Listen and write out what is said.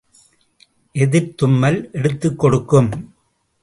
எதிர்த்தும்மல் எடுத்துக் கொடுக்கும்.